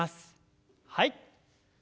はい。